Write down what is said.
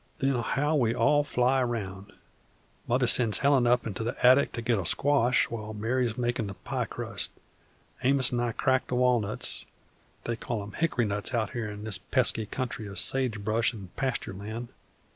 Then how we all fly round! Mother sends Helen up into the attic to get a squash while Mary's makin' the pie crust. Amos an' I crack the walnuts, they call 'em hickory nuts out in this pesky country of sage brush and pasture land.